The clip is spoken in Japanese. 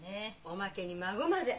おまけに孫まで。